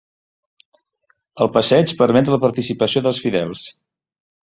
El passeig permet la participació dels fidels.